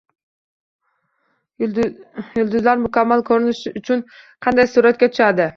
Yulduzlar mukammal ko‘rinish uchun qanday suratga tushadi?